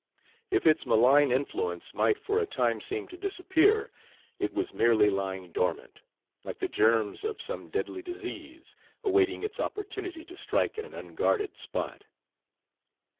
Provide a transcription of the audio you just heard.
If its malign influence might for a time seem to disappear, it was merely lying dormant, like the germs of some deadly disease, awaiting its opportunity to strike at an unguarded spot.